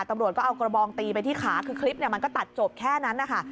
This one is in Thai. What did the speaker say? ตำรวจก็เอากระบองตีไปที่ขาคือคลิปมันก็ตัดจบแค่นั้นนะคะ